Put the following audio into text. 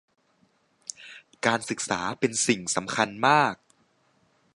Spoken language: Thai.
การศึกษาเป็นสิ่งสำคัญมาก